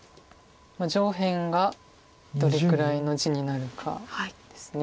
上辺がどれくらいの地になるかです。